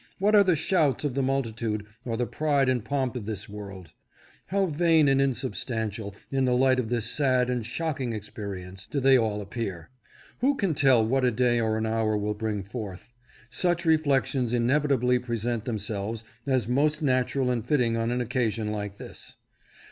What are the shouts of the multi tude, or the pride and pomp of this world ? How vain and unsubstantial, in the light of this sad and shocking experience, do they all appear ! Who can tell what a day or an hour will bring forth ? Such reflections inevi tably present themselves as most natural and fitting on an occasion like this.